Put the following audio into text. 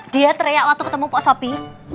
dia teriak waktu ketemu mpok sopi